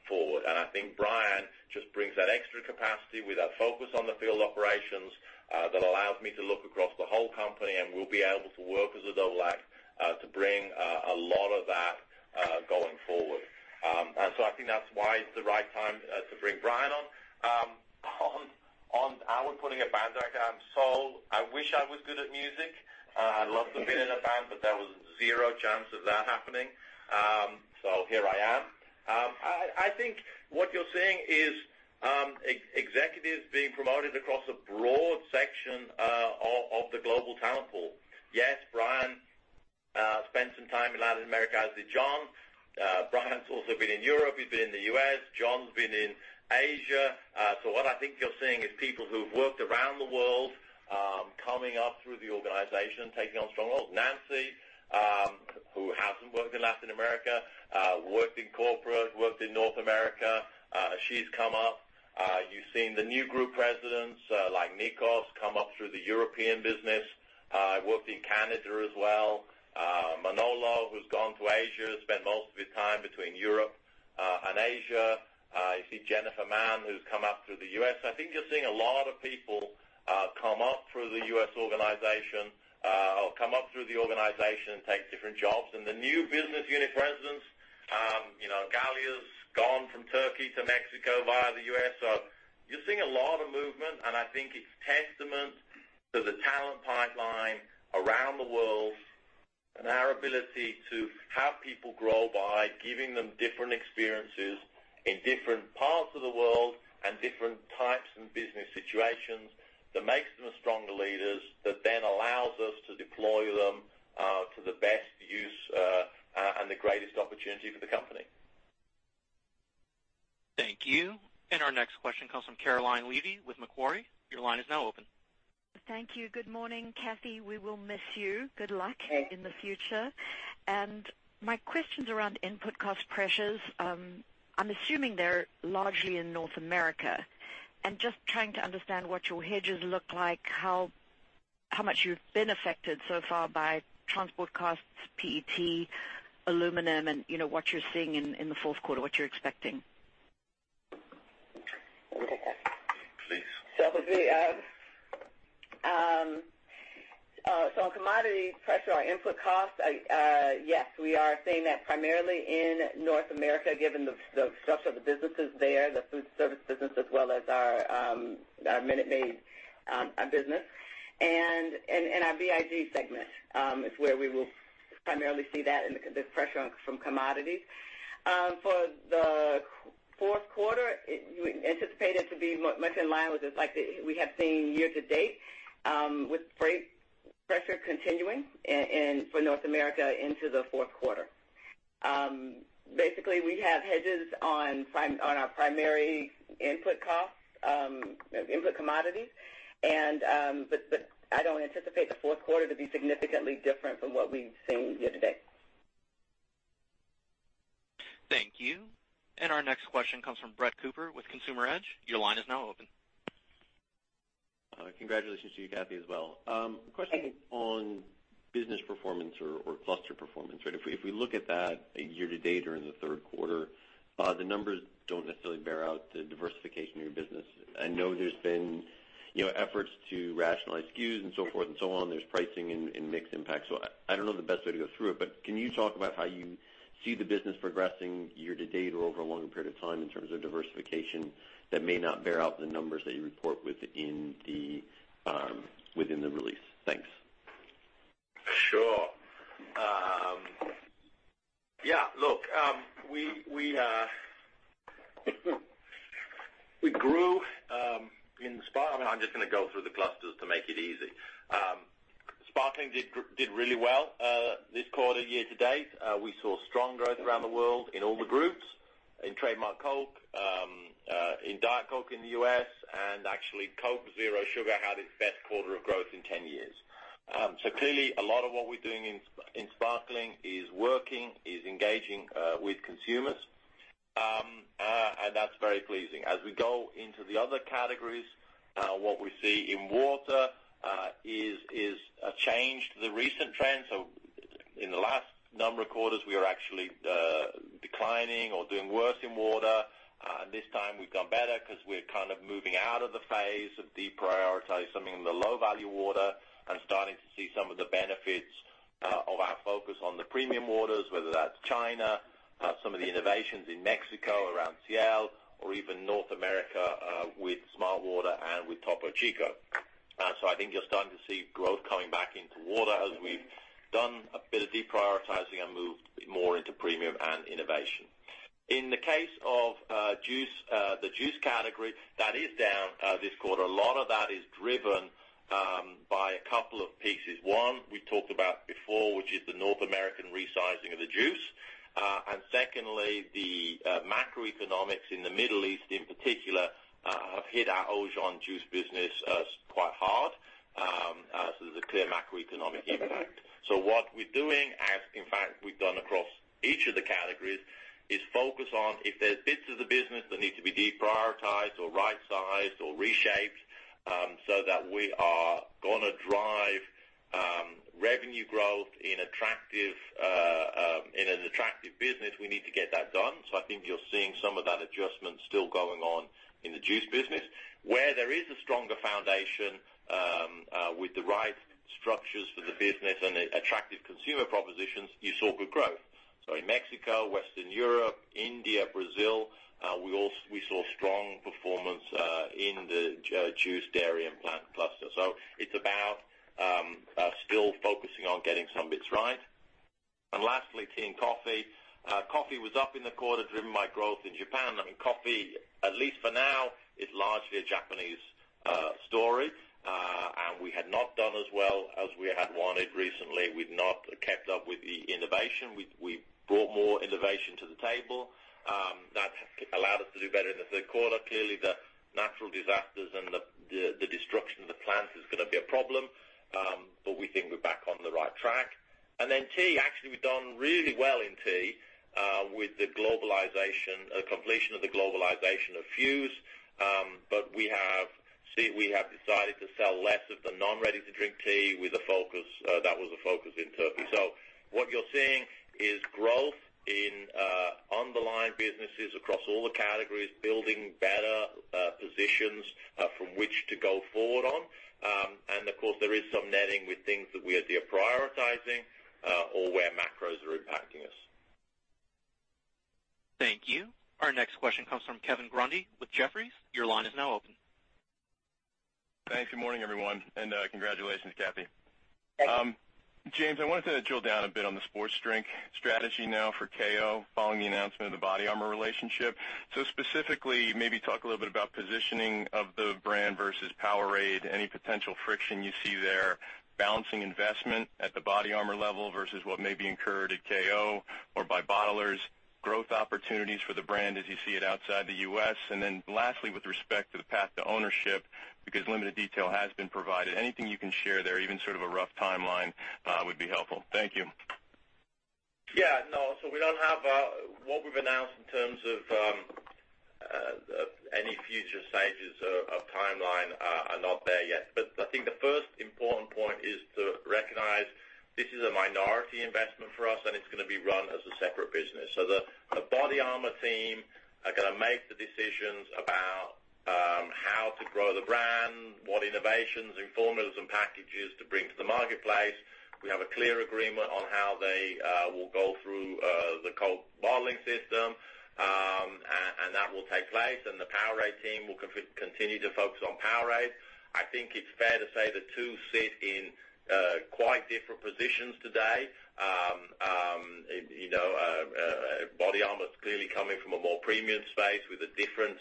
forward. I think Brian just brings that extra capacity with a focus on the field operations that allows me to look across the whole company, and we'll be able to work as a double act, to bring a lot of that, going forward. I think that's why it's the right time to bring Brian on. On our putting a band back on. I wish I was good at music. I'd love to be in a band, but there was zero chance of that happening. Here I am. I think what you're seeing is executives being promoted across a broad section of the global talent pool. Yes, Brian spent some time in Latin America, as did John. Brian's also been in Europe, he's been in the U.S. John's been in Asia. What I think you're seeing is people who've worked around the world, coming up through the organization, taking on strong roles. Nancy, who hasn't worked in Latin America, worked in corporate, worked in North America. She's come up. You've seen the new group presidents, like Nikos, come up through the European business, worked in Canada as well. Manolo, who's gone to Asia, spent most of his time between Europe and Asia. You see Jennifer Mann, who's come up through the U.S. I think you're seeing a lot of people come up through the U.S. organization, or come up through the organization and take different jobs. The new business unit presidents, Galya's gone from Turkey to Mexico via the U.S. You're seeing a lot of movement, I think it's testament to the talent pipeline around the world and our ability to have people grow by giving them different experiences in different parts of the world and different types and business situations that makes them stronger leaders that then allows us to deploy them to the best use and the greatest opportunity for the company. Thank you. Our next question comes from Caroline Levy with Macquarie. Your line is now open. Thank you. Good morning, Kathy. We will miss you. Good luck in the future. My question's around input cost pressures. I'm assuming they're largely in North America. Just trying to understand what your hedges look like, how much you've been affected so far by transport costs, PET, aluminum, and what you're seeing in the fourth quarter, what you're expecting. Please. On commodity pressure on input costs, yes, we are seeing that primarily in North America, given the structure of the businesses there, the food service business, as well as our Minute Maid business. Our BIG segment, is where we will primarily see that in the pressure from commodities. For the fourth quarter, you anticipate it to be much in line with like we have seen year to date, with freight pressure continuing for North America into the fourth quarter. We have hedges on our primary input costs, input commodities. I don't anticipate the fourth quarter to be significantly different from what we've seen year to date. Thank you. Our next question comes from Brett Cooper with Consumer Edge. Your line is now open. Congratulations to you, Kathy, as well. Thanks. A question on business performance or cluster performance. If we look at that year to date or in the third quarter, the numbers don't necessarily bear out the diversification of your business. I know there's been efforts to rationalize SKUs and so forth and so on. There's pricing and mix impact. I don't know the best way to go through it, but can you talk about how you see the business progressing year to date or over a longer period of time in terms of diversification that may not bear out the numbers that you report within the release? Thanks. Sure. Yeah, look, we grew. I'm just going to go through the clusters to make it easy. Sparkling did really well this quarter, year to date. We saw strong growth around the world in all the groups. In trademark Coke, in Diet Coke in the U.S., actually Coke Zero Sugar had its best quarter of growth in 10 years. Clearly a lot of what we're doing in Sparkling is working, is engaging with consumers. That's very pleasing. As we go into the other categories, what we see in water is a change to the recent trend. In the last number of quarters, we are actually declining or doing worse in water. This time we've gone better because we're kind of moving out of the phase of deprioritizing something in the low-value water and starting to see some of the benefits of our focus on the premium waters, whether that's China, some of the innovations in Mexico around Ciel or even North America, with smartwater and with Topo Chico. I think you're starting to see growth coming back into water as we've done a bit of deprioritizing and moved more into premium and innovation. In the case of the juice category, that is down this quarter. A lot of that is driven by a couple of pieces. One, we talked about before, which is the North American resizing of the juice. Secondly, the macroeconomics in the Middle East in particular, have hit our OJ and juice business quite hard. There's a clear macroeconomic impact. What we're doing, as in fact we've done across each of the categories, is focus on if there's bits of the business that need to be deprioritized or right-sized or reshaped, so that we are gonna drive growth in an attractive business, we need to get that done. I think you're seeing some of that adjustment still going on in the juice business. Where there is a stronger foundation with the right structures for the business and attractive consumer propositions, you saw good growth. In Mexico, Western Europe, India, Brazil, we saw strong performance in the juice, dairy, and plant cluster. It's about still focusing on getting some bits right. Lastly, tea and coffee. Coffee was up in the quarter, driven by growth in Japan. Coffee, at least for now, is largely a Japanese story. We had not done as well as we had wanted recently. We've not kept up with the innovation. We've brought more innovation to the table. That allowed us to do better in the third quarter. Clearly, the natural disasters and the destruction of the plants is going to be a problem, but we think we're back on the right track. Then tea, actually, we've done really well in tea with the completion of the globalization of FUZE. We have decided to sell less of the non-ready-to-drink tea. That was the focus in Turkey. What you're seeing is growth in underlying businesses across all the categories, building better positions from which to go forward on. Of course, there is some netting with things that we are de-prioritizing or where macros are impacting us. Thank you. Our next question comes from Kevin Grundy with Jefferies. Your line is now open. Thanks. Good morning, everyone, and congratulations, Kathy. Thank you. James, I wanted to drill down a bit on the sports drink strategy now for KO, following the announcement of the BODYARMOR relationship. Specifically, maybe talk a little bit about positioning of the brand versus POWERADE, any potential friction you see there, balancing investment at the BODYARMOR level versus what may be incurred at KO or by bottlers, growth opportunities for the brand as you see it outside the U.S. Lastly, with respect to the path to ownership, because limited detail has been provided, anything you can share there, even sort of a rough timeline, would be helpful. Thank you. No. What we've announced in terms of any future stages of timeline are not there yet. I think the first important point is to recognize this is a minority investment for us, and it's going to be run as a separate business. The BODYARMOR team are going to make the decisions about how to grow the brand, what innovations and formulas and packages to bring to the marketplace. We have a clear agreement on how they will go through the Coke bottling system, and that will take place, and the POWERADE team will continue to focus on POWERADE. I think it's fair to say the two sit in quite different positions today. BODYARMOR is clearly coming from a more premium space with a different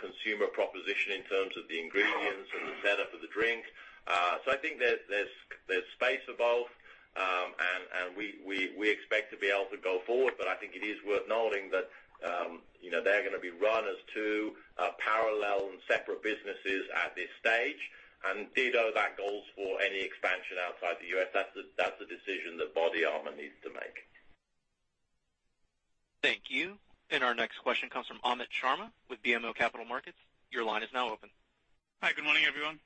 consumer proposition in terms of the ingredients and the setup of the drink. I think there's space evolved, and we expect to be able to go forward, but I think it is worth noting that they're going to be run as two parallel and separate businesses at this stage. Ditto, that goes for any expansion outside the U.S. That's a decision that BODYARMOR needs to make. Thank you. Our next question comes from Amit Sharma with BMO Capital Markets. Your line is now open. Hi. Good morning, everyone.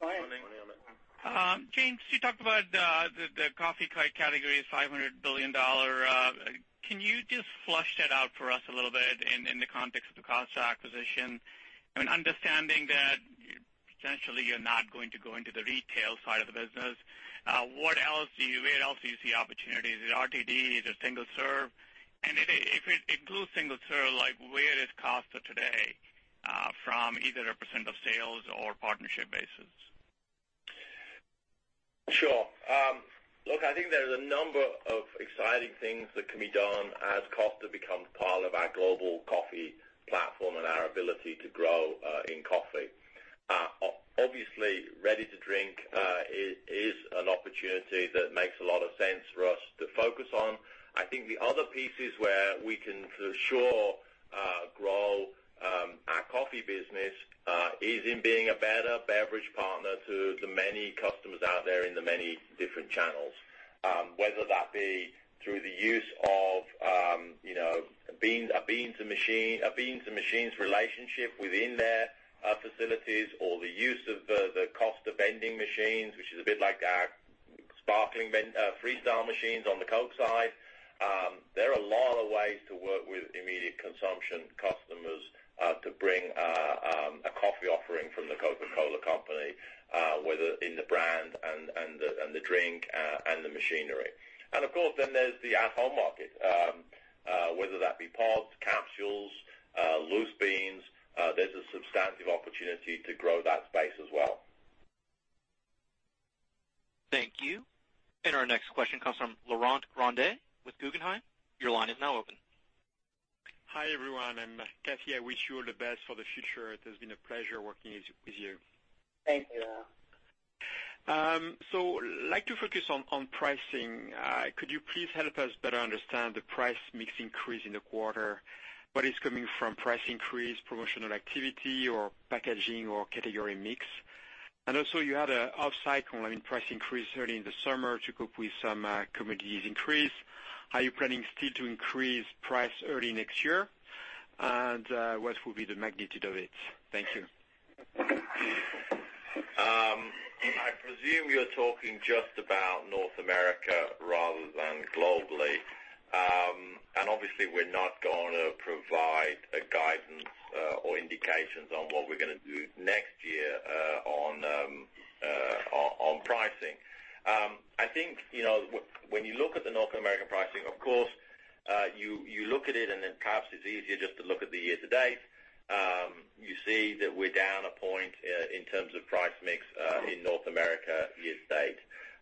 Good morning. Good morning, Amit. James, you talked about the coffee category is $500 billion. Can you just flush that out for us a little bit in the context of the Costa acquisition? Understanding that potentially you're not going to go into the retail side of the business, where else do you see opportunities? Is it RTD? Is it single-serve? If it includes single-serve, where is Costa today from either a % of sales or partnership basis? Sure. Look, I think there's a number of exciting things that can be done as Costa becomes part of our global coffee platform and our ability to grow in coffee. Obviously, ready-to-drink is an opportunity that makes a lot of sense for us to focus on. I think the other pieces where we can for sure grow our coffee business is in being a better beverage partner to the many customers out there in the many different channels, whether that be through the use of a beans to machines relationship within their facilities or the use of the Costa vending machines, which is a bit like our sparkling Freestyle machines on the Coke side. There are a lot of ways to work with immediate consumption customers to bring a coffee offering from The Coca-Cola Company, whether in the brand and the drink and the machinery. Of course then there's the at-home market, whether that be pods, capsules, loose beans, there's a substantive opportunity to grow that space as well. Thank you. Our next question comes from Laurent Grandet with Guggenheim. Your line is now open. Hi, everyone. Kathy, I wish you all the best for the future. It has been a pleasure working with you. Thank you, Laurent. Like to focus on pricing. Could you please help us better understand the price mix increase in the quarter, but it's coming from price increase, promotional activity or packaging or category mix. You had an off cycle, I mean, price increase early in the summer to cope with some commodities increase. Are you planning still to increase price early next year? What will be the magnitude of it? Thank you. I presume you're talking just about North America rather than globally. Obviously, we're not going to provide a guidance or indications on what we're going to do next year on pricing. When you look at the North American pricing, of course, you look at it and then perhaps it's easier just to look at the year-to-date. You see that we're down a point in terms of price mix in North America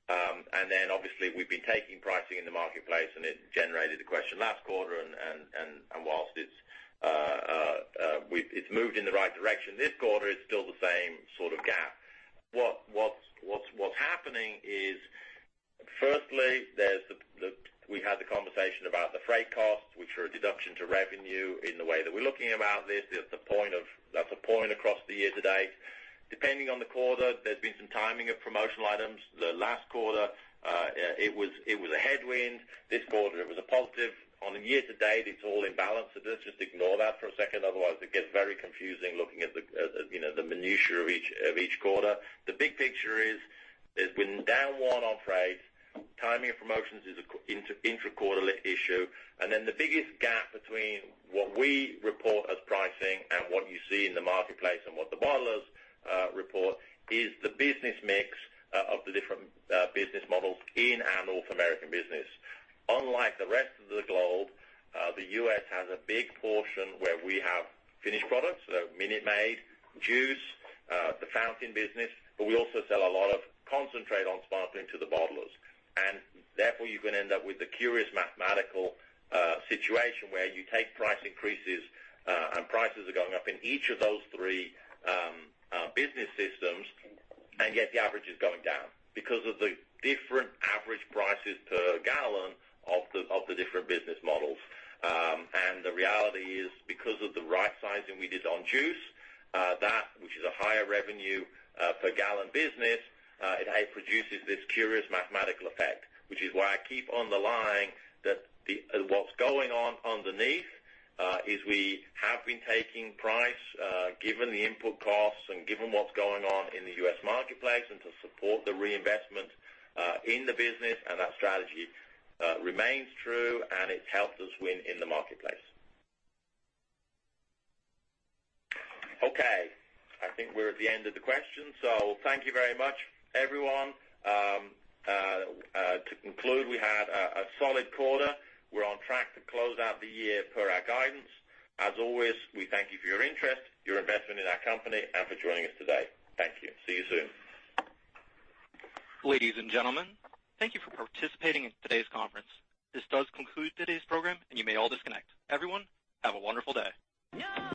year-to-date. Obviously, we've been taking pricing in the marketplace, and it generated a question last quarter, and whilst it's moved in the right direction this quarter, it's still the same sort of gap. What's happening is, firstly, we had the conversation about the freight costs, which are a deduction to revenue in the way that we're looking about this. That's a point across the year-to-date. Depending on the quarter, there's been some timing of promotional items. The last quarter, it was a headwind. This quarter, it was a positive. On the year-to-date, it's all in balance. Let's just ignore that for a second, otherwise it gets very confusing looking at the minutiae of each quarter. The big picture is we're down 1 on freight. Timing of promotions is an intra-quarterly issue. The biggest gap between what we report as pricing and what you see in the marketplace and what the bottlers report is the business mix of the different business models in our North American business. Unlike the rest of the globe, the U.S. has a big portion where we have finished products, so Minute Maid, juice, the fountain business, but we also sell a lot of concentrate on sparkling to the bottlers. Therefore, you're going to end up with a curious mathematical situation where you take price increases, and prices are going up in each of those three business systems, and yet the average is going down because of the different average prices per gallon of the different business models. The reality is, because of the rightsizing we did on juice, that which is a higher revenue per gallon business, it produces this curious mathematical effect. Which is why I keep underlining that what's going on underneath, is we have been taking price, given the input costs and given what's going on in the U.S. marketplace and to support the reinvestment in the business, and that strategy remains true, and it's helped us win in the marketplace. We're at the end of the questions. Thank you very much, everyone. To conclude, we had a solid quarter. We're on track to close out the year per our guidance. As always, we thank you for your interest, your investment in our company, and for joining us today. Thank you. See you soon. Ladies and gentlemen, thank you for participating in today's conference. This does conclude today's program, and you may all disconnect. Everyone, have a wonderful day.